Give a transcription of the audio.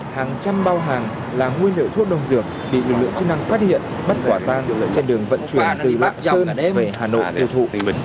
hàng trăm bao hàng là nguyên liệu thuốc đồng dược bị lực lượng chức năng phát hiện bắt quả tan trên đường vận chuyển từ lạc sơn về hà nội hồ thụ